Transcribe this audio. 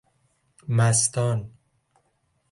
مستان